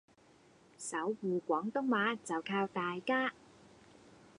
守護廣東話就靠大家